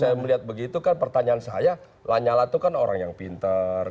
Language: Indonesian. saya melihat begitu kan pertanyaan saya lanyala itu kan orang yang pinter